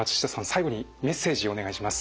最後にメッセージをお願いします。